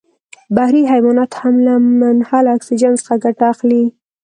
بحري حیوانات هم له منحل اکسیجن څخه ګټه اخلي.